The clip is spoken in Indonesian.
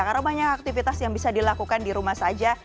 karena banyak aktivitas yang bisa dilakukan di rumah saja